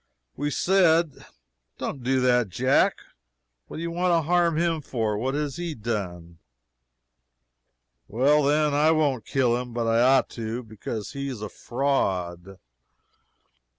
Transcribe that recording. We said: "Don't do that, Jack. What do you want to harm him for? What has he done?" "Well, then, I won't kill him, but I ought to, because he is a fraud."